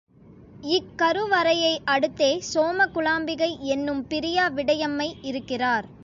இக்கருவறையை அடுத்தே சோம குலாம்பிகை என்னும் பிரியா விடையம்மை இருக்கிறார்.